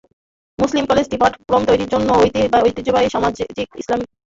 মুসলিম কলেজটি পাঠক্রম তৈরির জন্য ঐতিহ্যবাহী এবং সমসাময়িক ইসলামিক পদ্ধতির সমন্বয় করেছে।